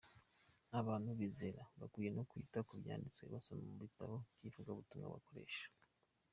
Abantu bizera bakwiye no kwita ku byanditswe basoma mu bitabo by’ivugabutumwa bakoresha.